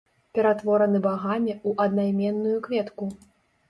Ператвораны багамі ў аднайменную кветку.